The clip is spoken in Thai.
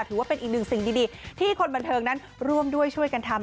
ถือว่าเป็นอีกหนึ่งสิ่งดีที่คนบันเทิงนั้นร่วมด้วยช่วยกันทำ